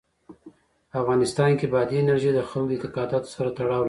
په افغانستان کې بادي انرژي د خلکو د اعتقاداتو سره تړاو لري.